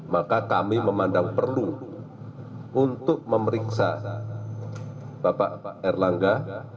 maka kami memandang perlu untuk memeriksa bapak pak erlangga